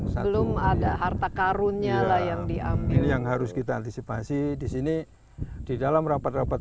belum ada harta karunnya lah yang diambil yang harus kita antisipasi disini di dalam rapat rapat